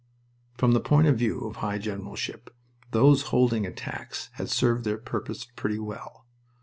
From the point of view of high generalship those holding attacks had served their purpose pretty well.